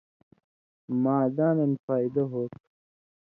معداں دن فائدہ ہوتُھو۔